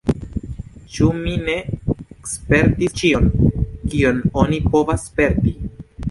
Ĉu mi ne spertis ĉion, kion oni povas sperti?